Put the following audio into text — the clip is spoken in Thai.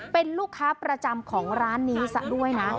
เป็นลูกค้าประจำของร้านนี้ซะด้วยนะ